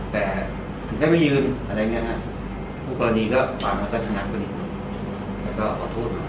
เป็นประจำเดือนจริงถึงได้ไม่ได้ยืนตรงชาติ